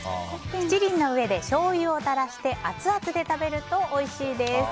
七輪の上でしょうゆを垂らしてアツアツで食べるとおいしいです。